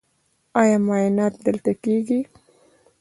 ایا معاینات دلته کیږي؟